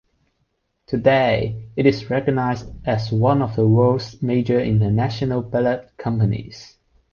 Today, it is recognised as one of the world's major international ballet companies.